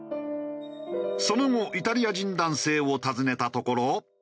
その後イタリア人男性を訪ねたところ。